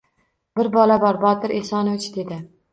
— Bir bola bor, Botir Esonovich, — dedi_.